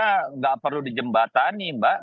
tidak perlu dijembatani mbak